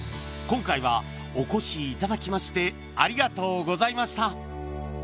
今回はお越しいただきましてありがとうございました